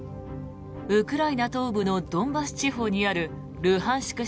ウクライナ東部のドンバス地方にあるルハンシク